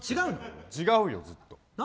違うよずっと。